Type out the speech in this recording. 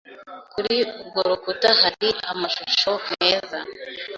Kuri urwo rukuta hari amashusho meza.